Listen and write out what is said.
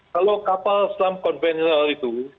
kalau kapal selam konvensional itu